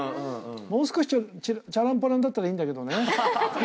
もう少しチャランポランだったらいいんだけどね。